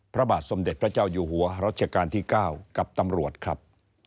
พระบาทสมเด็จพระเจ้าอยู่หัวรัชกาลที่๙กับตำรวจครับ